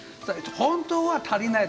本当は足りない。